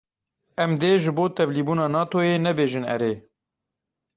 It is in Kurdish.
Em dê ji bo tevlîbûna Natoyê nebêjin erê.